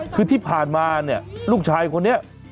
คือที่ผ่านมาเนี่ยลูกชายคนนี้